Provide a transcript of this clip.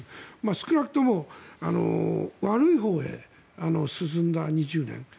少なくとも悪いほうへ進んだ２０年。